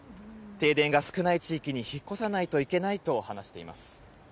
停電が少ない地域に引っ越さないといけないと話しています。